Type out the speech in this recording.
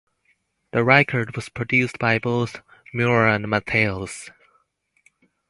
The record was produced by both Moore and Matheos.